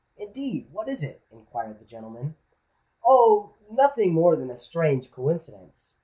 "Indeed! what is it?" inquired that gentleman. "Oh! nothing more than a strange coincidence.